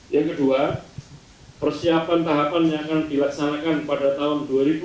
yang kedua persiapan tahapan yang akan dilaksanakan pada tahun dua ribu dua puluh